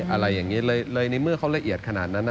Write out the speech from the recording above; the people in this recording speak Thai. อะไรอย่างนี้เลยในเมื่อเขาละเอียดขนาดนั้น